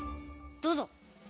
どうぞ。